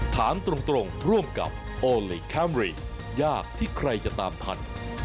ถามตรงร่วมกับโอลี่คัมรี่ยากที่ใครจะตามทัน